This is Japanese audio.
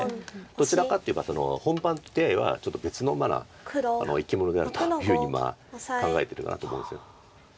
どちらかっていえば本番手合はちょっと別の生き物であるというふうに考えてるなと思うんです。